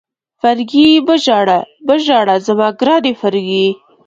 فرګي مه ژاړه، مه ژاړه زما ګرانې فرګي.